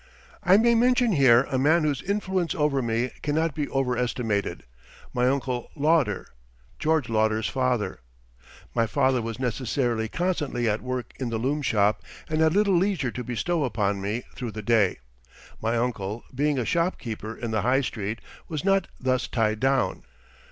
I may mention here a man whose influence over me cannot be overestimated, my Uncle Lauder, George Lauder's father. My father was necessarily constantly at work in the loom shop and had little leisure to bestow upon me through the day. My uncle being a shopkeeper in the High Street was not thus tied down.